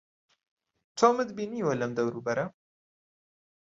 تۆمت بینیوە لەم دەوروبەرە؟